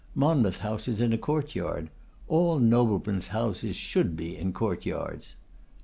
Monmouth House is in a court yard. All noblemen's houses should be in court yards.